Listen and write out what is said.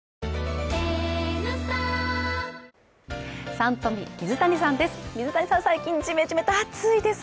「Ｓｕｎトピ」、水谷さんです。